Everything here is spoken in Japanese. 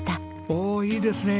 おおいいですね。